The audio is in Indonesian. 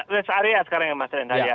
res area sekarang ya mas renhar